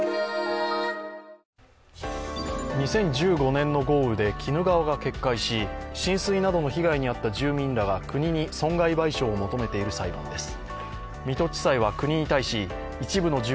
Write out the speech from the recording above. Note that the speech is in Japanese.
２０１５年の豪雨で鬼怒川が決壊し浸水などの被害に遭った住民らが国に損害賠償を求めている裁判です。